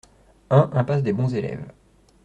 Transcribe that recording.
un impasse des Bons Eleves